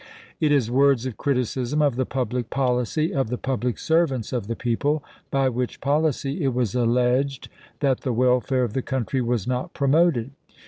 It is words of criticism i>f the public policy of the public servants of the people, by which policy it was alleged that the welfare of the country was not promoted.